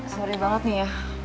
seri banget nih ya